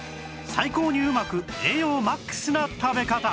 最高にうまく栄養 ＭＡＸ な食べ方